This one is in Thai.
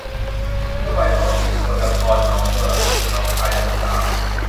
นโยบายท้องถิ่น สกลนครหนองบัวลำภูหนองคายบึงกาฬ